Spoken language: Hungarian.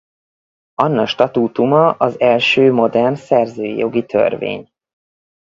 Anna statútuma az első modern szerzői jogi törvény.